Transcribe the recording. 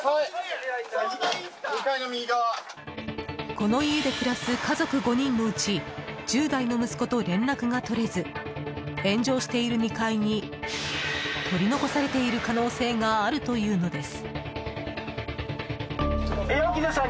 この家で暮らす家族５人のうち１０代の息子と連絡がとれず炎上している２階に取り残されている可能性があるというのです。